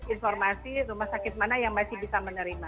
informasi rumah sakit mana yang masih bisa menerima